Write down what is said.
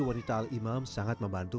wanita al imam sangat membantu